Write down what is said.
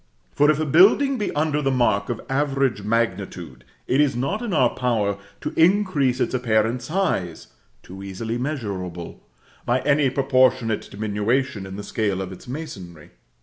For if a building be under the mark of average magnitude, it is not in our power to increase its apparent size (too easily measurable) by any proportionate diminution in the scale of its masonry.